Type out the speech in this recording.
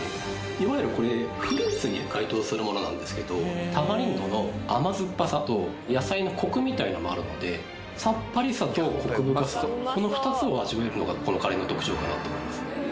いわゆるこれフルーツに該当するものなんですけどタマリンドの甘酸っぱさと野菜のコクみたいのもあるのでさっぱりさとコク深さこの２つを味わえるのがこのカレーの特徴かなと思います